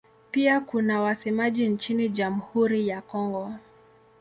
Pia kuna wasemaji nchini Jamhuri ya Kongo.